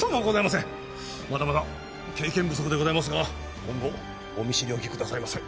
まだまだ経験不足でございますが今後お見知りおきくださいませ。